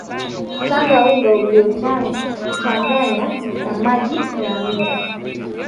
kanga unga uliochanganya na maji ya hamira